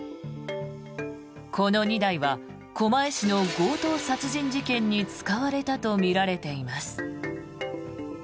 この２台は狛江市の強盗殺人事件に使われたとみられています。